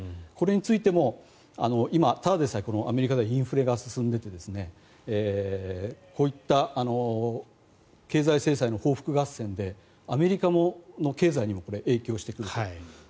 これについても今、ただでさえアメリカではインフレが進んでいてこういった経済制裁の報復合戦でアメリカの経済にも影響してくると。